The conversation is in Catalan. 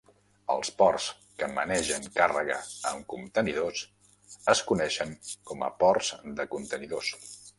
Els ports que manegen càrrega amb contenidors es coneixen com a ports de contenidors.